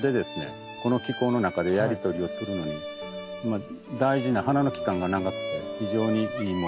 この気候の中でやり取りをするのに大事な花の期間が長くて非常にいいもの。